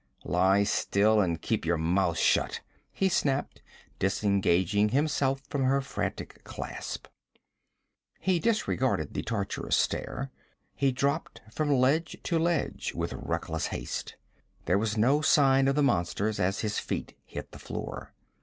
'Lie still and keep your mouth shut!' he snapped, disengaging himself from her frantic clasp. He disregarded the tortuous stair. He dropped from ledge to ledge with reckless haste. There was no sign of the monsters as his feet hit the floor.